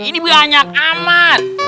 ini banyak aman